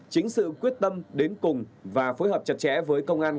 chính sự quyết tâm đến cùng và phối hợp chặt chẽ với công an